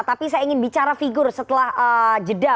tapi saya ingin bicara figur setelah jeda